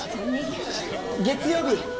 月曜日